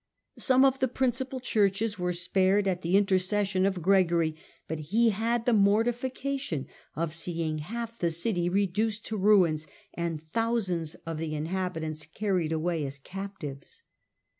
Some of the principal churches were spared at the intercession of Gregory, but he had the mortification of seeing half the city reduced to ruins, and thousands of the inhabitants carried away as captives.